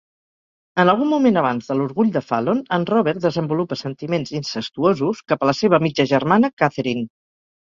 En algun moment abans de l'Orgull de Fallon, en Robert desenvolupa sentiments incestuosos cap a la seva mitja germana Catherine.